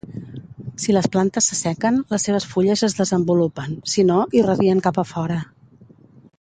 Si les plantes s'assequen, les seves fulles es desenvolupen, si no, irradien cap a fora.